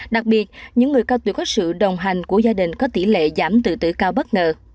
đặc biệt những người cao tuổi có sự đồng hành của gia đình có tỷ lệ giảm tự tử cao bất ngờ